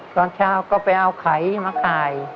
ตอนเช้าก็ไปเอาไข่มาขาย